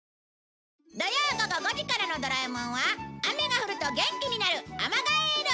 土曜午後５時からの『ドラえもん』は雨が降ると元気になるアマガエール